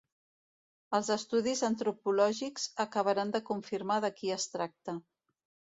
Els estudis antropològics acabaran de confirmar de qui es tracta.